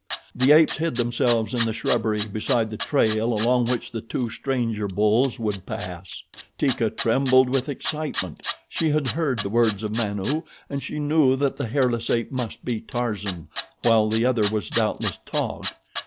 The apes hid themselves in the shrubbery beside the trail along which the two stranger bulls would pass. Teeka trembled with excitement. She had heard the words of Manu, and she knew that the hairless ape must be Tarzan, while the other was, doubtless, Taug.